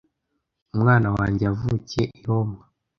umwana wanjye yavukiye i Roma